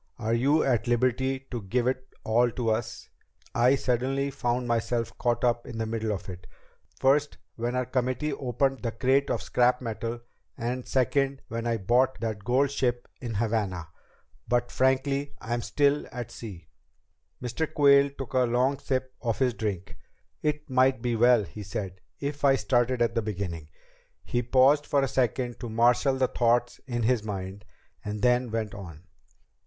Are you at liberty to give it all to us? I suddenly found myself caught up in the middle of it first when our committee opened the crate of scrap metal, and second when I bought that gold ship in Havana but frankly I'm still at sea." Mr. Quayle took a long sip of his drink. "It might be well," he said, "if I started at the beginning." He paused for a second to marshal the thoughts in his mind, and then went on.